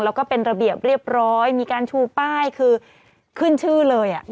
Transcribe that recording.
แล้วก็เป็นระเบียบเรียบร้อยมีการชูป้ายคือขึ้นชื่อเลย